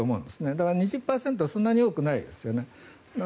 だから２０％はそんなに多くないですよね。